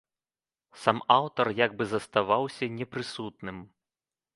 Сам аўтар як бы заставаўся непрысутным.